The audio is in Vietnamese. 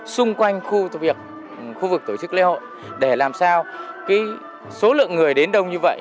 xung quanh khu vực tổ chức lễ hội để làm sao số lượng người đến đông như vậy